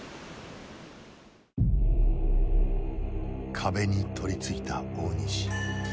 壁に取りついた大西。